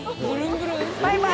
バイバーイ。